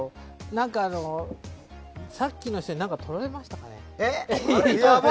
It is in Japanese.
何か、さっきの人にとられましたかね？